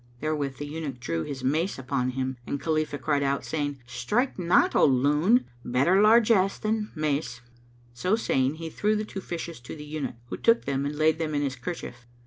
Therewith the eunuch drew his mace upon him, and Khalifah cried out, saying, "Strike not, O loon! Better largesse than the mace." [FN#227] So saying, he threw the two fishes to the eunuch, who took them and laid them in his kerchief.